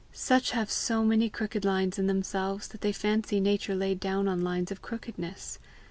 Such have so many crooked lines in themselves that they fancy nature laid down on lines of crookedness.